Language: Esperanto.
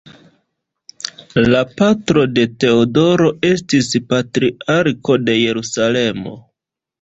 La patro de Teodoro estis Patriarko de Jerusalemo.